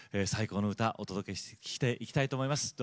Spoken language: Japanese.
最高の歌お届けしていきたいと思います。